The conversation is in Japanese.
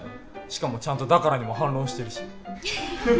しかもちゃんと「だから」にも反論してるし。